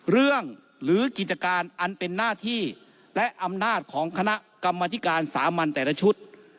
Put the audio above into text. หรือกิจการอันเป็นหน้าที่และอำนาจของคณะกรรมธิการสามัญแต่ละชุด